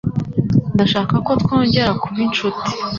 Ndashaka ko twongera kuba inshuti.